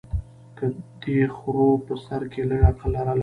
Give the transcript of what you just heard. که دې خرو په سر کي لږ عقل لرلای